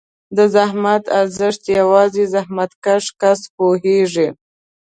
د زحمت ارزښت یوازې زحمتکښ کس پوهېږي.